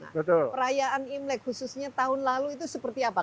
nah perayaan imlek khususnya tahun lalu itu seperti apa